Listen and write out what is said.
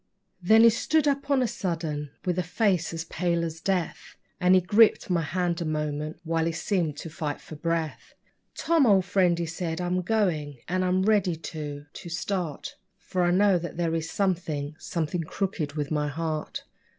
..... Then he stood up on a sudden, with a face as pale as death, And he gripped my hand a moment, while he seemed to fight for breath: 'Tom, old friend,' he said, 'I'm going, and I'm ready to to start, For I know that there is something something crooked with my heart.